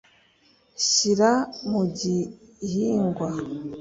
shyira mu gihingwa.